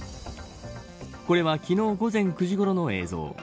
これは昨日午前９時ごろの映像。